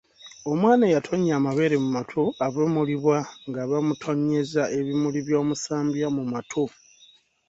Omwana eyatonnya amabeere mu matu avumulibwa nga bamutonnyeza ebimuli by’omusambya mu matu.